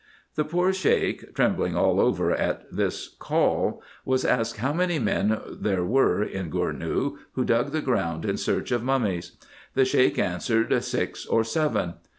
The poor Sheik, trem bb2 188 RESEARCHES AND OPERATIONS bling all over at this call, was asked how many men there were in Gournou who dug the ground in search of mummies. The Sheik answered six or seven.